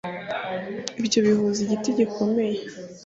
ibyo bihuza igiti gikomeye